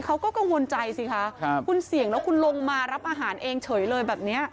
เขาก็กังวลใจสิคะครับคุณเสี่ยงแล้วคุณลงมารับอาหารเองเฉยเลยแบบเนี้ย